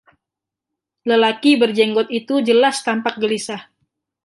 Lelaki berjenggot itu jelas tampak gelisah.